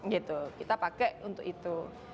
kita pakai untuk itu